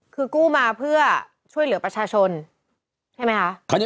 คือกู้มาเพื่อช่วยเหลือประชาชนใช่ไหมคะ